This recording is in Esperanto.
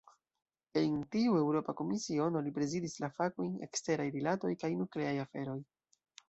En tiu Eŭropa Komisiono, li prezidis la fakojn "eksteraj rilatoj kaj nukleaj aferoj".